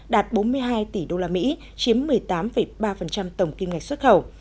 đạt bốn mươi hai tỷ usd chiếm một mươi tám ba tổng kim ngạch xuất khẩu